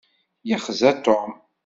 Yexza Tom.